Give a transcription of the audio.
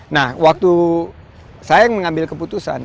nah waktu saya yang mengambil keputusan